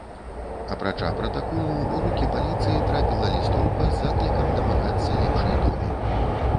Апрача пратаколу, у рукі паліцыі трапіла лістоўка з заклікам дамагацца лепшай долі.